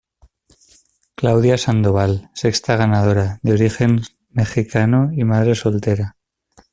Claudia Sandoval: Sexta ganadora, de origen mexicano y madre soltera.